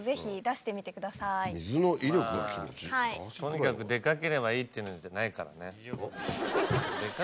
とにかくデカければいいっていうもんじゃないからね。